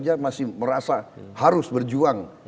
sebesar itu saja masih merasa harus berjuang